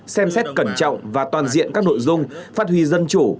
xem xét cẩn trọng và toàn diện các nội dung phát huy dân chủ